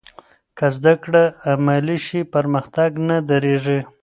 که زده کړه عملي شي، پرمختګ نه درېږي.